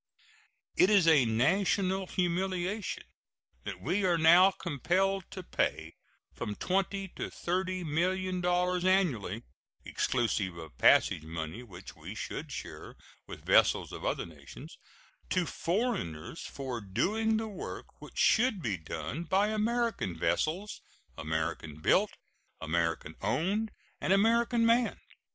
It is a national humiliation that we are now compelled to pay from twenty to thirty million dollars annually (exclusive of passage money, which we should share with vessels of other nations) to foreigners for doing the work which should be done by American vessels, American built, American owned, and American manned.